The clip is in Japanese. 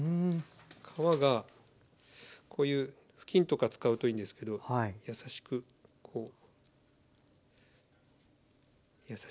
皮がこういう布巾とか使うといいんですけど優しくこう優しく優しく。